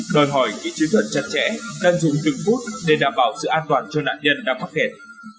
đòi hỏi kỹ chế thuật chặt chẽ đăng dụng từng phút để đảm bảo sự an toàn cho nạn nhân đã phát kẹt